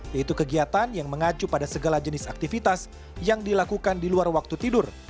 yaitu kegiatan yang mengacu pada segala jenis aktivitas yang dilakukan di luar waktu tidur